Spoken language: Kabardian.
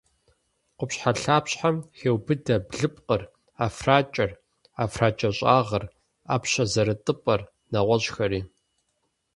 Къупщхьэлъапщхьэм хеубыдэ блыпкъыр, ӏэфракӏэр, ӏэфракӏэщӏагъыр, ӏэпщэ зэрытыпӏэр, нэгъуэщӏхэри.